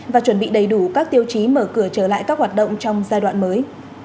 và chuẩn bị đầy đủ các tiêu chí mở cửa trở lại các hoạt động trong giai đoạn mới